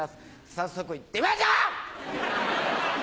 早速行ってみましょう！